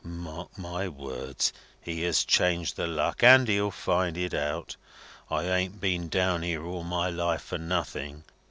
Mark my words. He has changed the luck, and he'll find it out. I ain't been down here all my life for nothing!